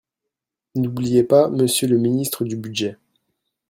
N’oubliez pas Monsieur le ministre du budget